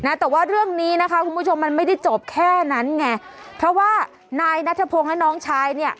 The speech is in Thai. นะแต่ว่าเรื่องนี้นะคะคุณผู้ชมมันไม่ได้จบแค่นั้นไงเพราะว่านายนัทพงศ์และน้องชายเนี่ย